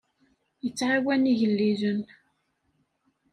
Yettɛawan igellilen.